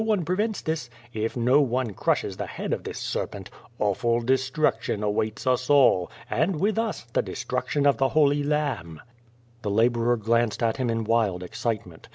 139 one prevents this — if no one crushes the head of this ser pent— ^awful destruction awaits us all, and with us the destruction of the Holy Lamb/' The laborer glanced at him in wild excitement.